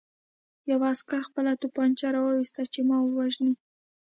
یوه عسکر خپله توپانچه را وویسته چې ما ووژني